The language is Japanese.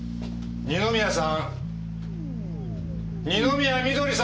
二宮さん。